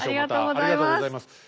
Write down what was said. ありがとうございます。